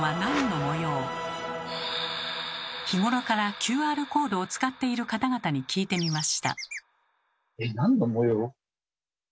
日頃からＱＲコードを使っている方々に聞いてみました。